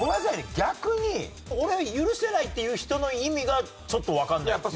逆に俺許せないっていう人の意味がちょっとわかんないっていうか。